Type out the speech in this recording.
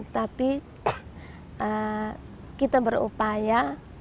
tetapi kita berupaya